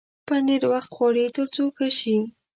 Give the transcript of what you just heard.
پنېر وخت غواړي تر څو ښه شي.